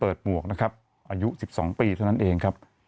หมวกนะครับอายุ๑๒ปีเท่านั้นเองครับ